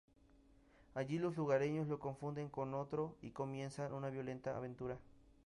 Allí los lugareños lo confunden con otro y comienza una violenta aventura.